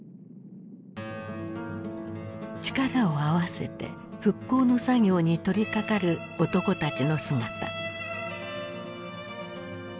力を合わせて復興の作業に取りかかる男たちの姿。